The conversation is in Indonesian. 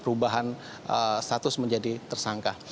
perubahan status menjadi tersangka